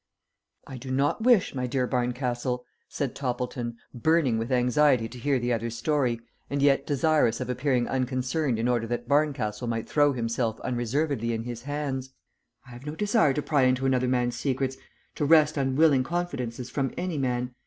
"I do not wish, my dear Barncastle," said Toppleton, burning with anxiety to hear the other's story, and yet desirous of appearing unconcerned in order that Barncastle might throw himself unreservedly in his hands. "I have no desire to pry into another man's secrets, to wrest unwilling confidences from any man.